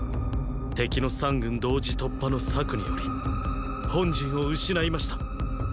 敵の三軍同時突破の策により本陣を失いました。